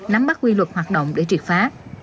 nắm bắt quy luật hoạt động để triệt phá